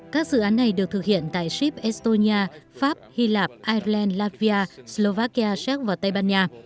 các dự án này được thực hiện tại ship estonia pháp hy lạp ireland latvia slovakia serg và tây ban nha